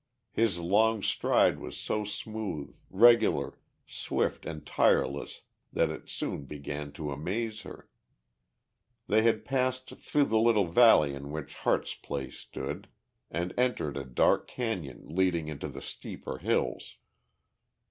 His long stride was so smooth, regular, swift and tireless that it soon began to amaze her. They had passed through the little valley in which Harte's place stood, and entered a dark cañon leading into the steeper hills.